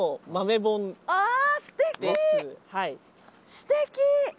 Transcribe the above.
すてき！